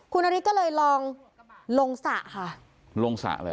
คุณนาริสก็เลยลองลงสระค่ะลงสระเลยเห